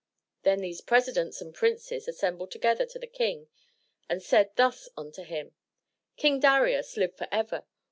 Then these presidents and princes assembled together to the King and said thus unto him: "King Darius, live forever!